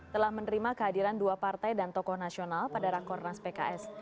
telah menerima kehadiran dua partai dan tokoh nasional pada rakornas pks